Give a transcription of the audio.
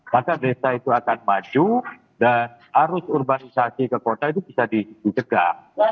maka desa itu akan maju dan arus urbanisasi ke kota itu bisa dicegah